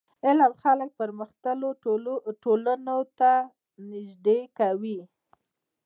علم خلک و پرمختللو ټولنو ته نژدي کوي.